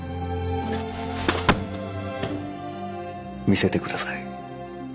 見せてください